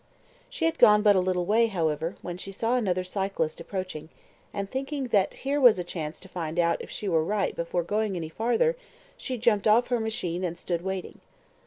She had gone but a little way, however, when she saw another cyclist approaching, and, thinking that here was a chance to find out if she were right before going any farther, she jumped off her machine and stood waiting.